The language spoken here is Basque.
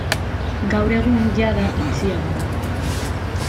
Gaur egun jada itxia dago.